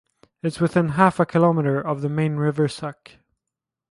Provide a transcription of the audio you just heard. It is within half a kilometre of the main River Suck.